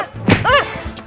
aduh dek sakit